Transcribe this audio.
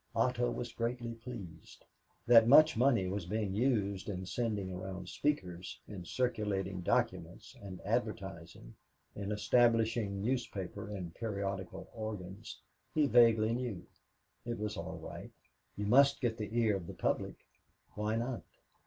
Otto was greatly pleased. That much money was being used in sending around speakers, in circulating documents, in advertising, in establishing newspaper and periodical organs, he vaguely knew. It was all right. You must get the ear of the public. Why not?